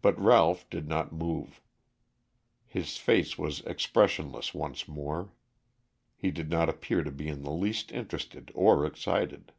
But Ralph did not move. His face was expressionless once more. He did not appear to be in the least interested or excited.